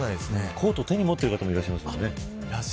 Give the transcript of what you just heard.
コートを手に持っている方もいらっしゃいますね。